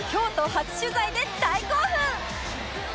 初取材で大興奮